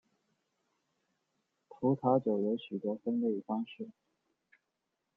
葡萄酒有许多分类方式。